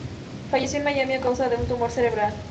Falleció en Miami a causa de un tumor cerebral.